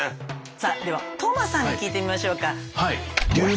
さあでは當間さんに聞いてみましょうか。